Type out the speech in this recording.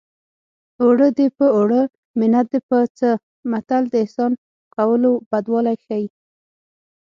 اوړه دې په اوړه منت دې په څه متل د احسان کولو بدوالی ښيي